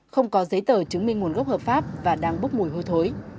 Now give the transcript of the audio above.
không có giấy tờ chứng minh nguồn gốc hợp pháp và đang bốc mùi hôi thối